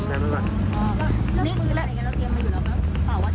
อ๋อแล้วพื้นอะไรกันเราเตรียมมาอยู่แล้วหรือเปล่า